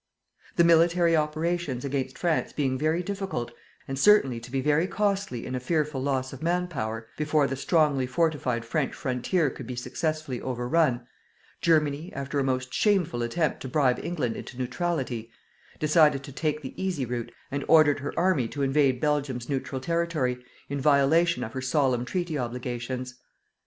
The military operations against France being very difficult, and certainly to be very costly in a fearful loss of man power, before the strongly fortified French frontier could be successfully overrun, Germany, after a most shameful attempt to bribe England into neutrality, decided to take the easy route and ordered her army to invade Belgium's neutral territory, in violation of her solemn treaty obligations.